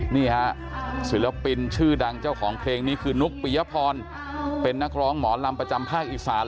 นี่ฮะศิลปินชื่อดังเจ้าของเพลงนี้คือนุ๊กปียพรเป็นนักร้องหมอลำประจำภาคอีสาน